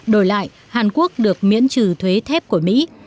đổi lại hàn quốc được miễn trừ thuế thép của mỹ